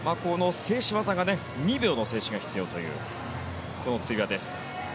静止技が２秒の静止が必要というこのつり輪です。